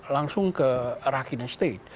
langsung ke rakhine state